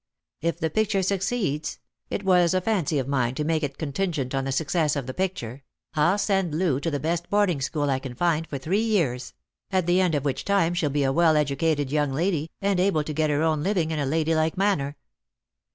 If the picture succeeds — it was a fancy of mine to make it contingent on the success of the picture — 111 send Loo to the best boarding school I can find, for three years; at the end of which time she'll be a well educated young lady, and able to get her own living in a ladylike manner.